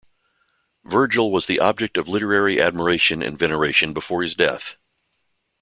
Virgil was the object of literary admiration and veneration before his death.